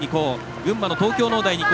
群馬の東京農大二高。